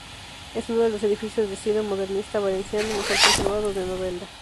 Es uno de los edificios de estilo modernista valenciano mejor conservados de Novelda.